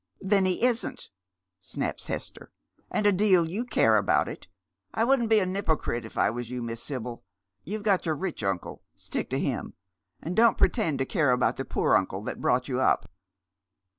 " Tlien he isn't," snaps Hester. " And a deal you care abont it. I wouldn't be a n'ypocrite, if I was you, Miss Sibyl. You've f;ot your rich uncle. Stick to him. And don't pretend to care alxiut the poor uncle that brought you up."